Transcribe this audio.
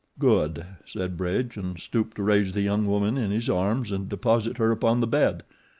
"Good," said Bridge, and stooped to raise the young woman in his arms and deposit her upon the bed.